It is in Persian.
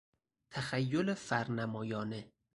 تخیل فرنمایانه